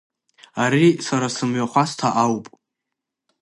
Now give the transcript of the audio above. Ари сара сымҩахәасҭа ауп…